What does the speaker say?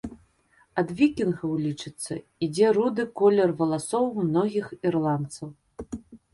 Ад вікінгаў, лічыцца, ідзе руды колер валасоў многіх ірландцаў.